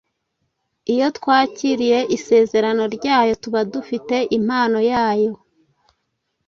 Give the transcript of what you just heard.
Iyo twakiriye isezerano ryayo, tuba dufite impano yayo.